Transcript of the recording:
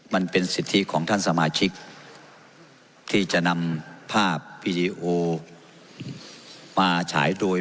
มันเป็นสิทธิของท่านสมาชิกที่จะนำภาพวีดีโอมาฉายโดย